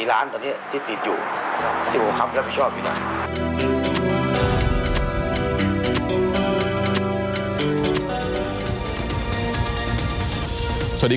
ยาท่าน้ำขาวไทยนครเพราะทุกการเดินทางของคุณจะมีแต่รอยยิ้ม